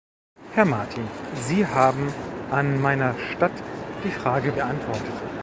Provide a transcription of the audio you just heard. Herr Martin, Sie haben an meiner Statt die Frage beantwortet.